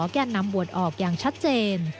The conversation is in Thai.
แก้นำบวชออกอย่างชัดเจน